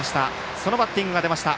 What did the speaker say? そのバッティングが出ました。